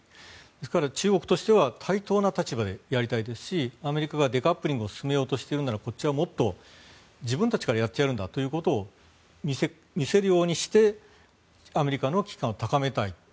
ですから、中国としては対等な立場でやりたいですしアメリカがデカップリングを進めようとしているならこっちはもっと自分たちからやってやるんだということを見せるようにしてアメリカの危機感を高めたい。